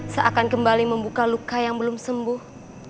seakan kembali membuka luka yang belum sembuh